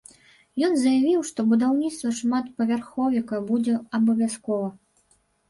Ён заявіў, што будаўніцтва шматпавярховіка будзе абавязкова.